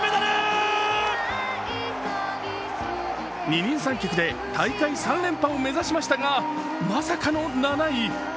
二人三脚で大会３連覇を目指しましたが、まさかの７位。